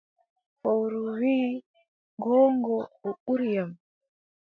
Fowru wii, goongo, a ɓuri am.